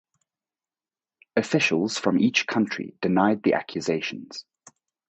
Officials from each country denied the accusations.